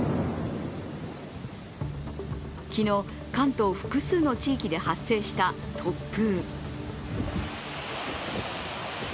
昨日、関東複数の地域で発生した突風。